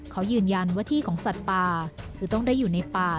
เขายืนยันว่าที่ของสัตว์ป่าคือต้องได้อยู่ในป่า